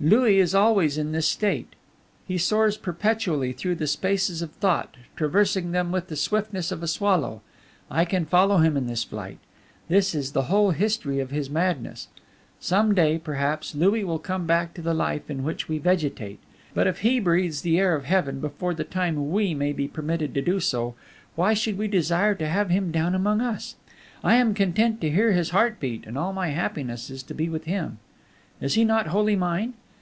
Louis is always in this state; he soars perpetually through the spaces of thought, traversing them with the swiftness of a swallow; I can follow him in his flight. This is the whole history of his madness. Some day, perhaps, Louis will come back to the life in which we vegetate; but if he breathes the air of heaven before the time when we may be permitted to do so, why should we desire to have him down among us? I am content to hear his heart beat, and all my happiness is to be with him. Is he not wholly mine?